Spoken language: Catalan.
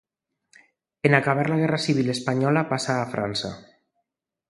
En acabar la Guerra civil espanyola passà a França.